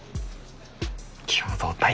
共同体？